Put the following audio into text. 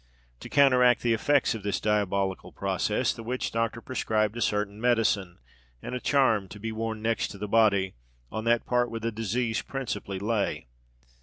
To counteract the effects of this diabolical process, the witch doctor prescribed a certain medicine, and a charm to be worn next the body, on that part where the disease principally lay.